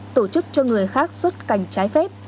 tổ chức cho người khác xuất cảnh trái phép